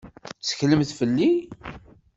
Tetteklemt fell-i?